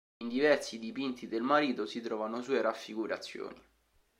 In diversi dipinti del marito si trovano sue raffigurazioni.